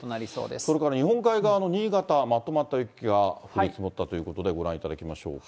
それから日本海側の新潟、まとまった雪が降り積もったということで、ご覧いただきましょうか。